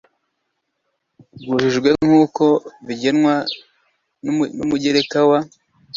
rwujujwe nk uko bigenwa n umugereka wa